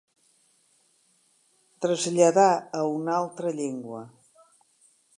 Traslladà a una altra llengua.